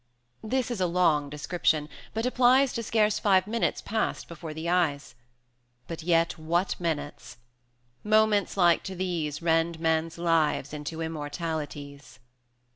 This is a long description, but applies To scarce five minutes passed before the eyes; But yet what minutes! Moments like to these Rend men's lives into immortalities.